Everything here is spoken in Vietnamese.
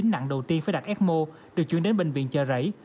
nặng đầu tiên phải đặt ecmo được chuyển đến bệnh viện chợ rẫy